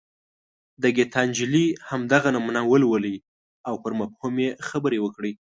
د ګیتا نجلي همدغه نمونه ولولئ او پر مفهوم یې خبرې وکړئ.